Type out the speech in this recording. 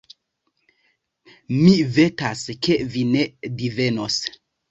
Mi vetas, ke vi ne divenos.